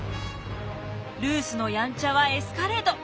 ルースのヤンチャはエスカレート！